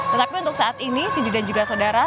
tetapi untuk saat ini sidi dan juga saudara